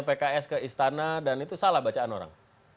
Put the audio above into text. pks ke istana dan itu salah bacaan orang